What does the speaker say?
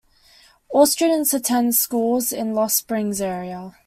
All students attend schools in Lost Springs area.